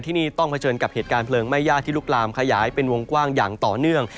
ที่นี่ต้องเผชิญกับเหตุการณ์เพลิงไหม้ญาติที่ลุกลามขยายเป็นวงกว้างอย่างต่อเนื่อง